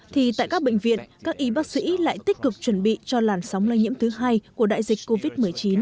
thì tại các bệnh viện các y bác sĩ lại tích cực chuẩn bị cho làn sóng lây nhiễm thứ hai của đại dịch covid một mươi chín